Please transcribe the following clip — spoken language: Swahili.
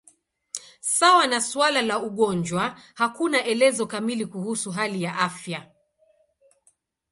Sawa na suala la ugonjwa, hakuna elezo kamili kuhusu hali ya afya.